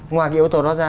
ngoài cái yếu tố đó ra